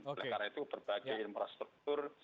oleh karena itu berbagai infrastruktur